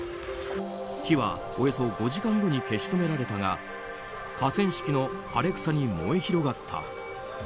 火は、およそ５時間後に消し止められたが河川敷の枯れ草に燃え広がった。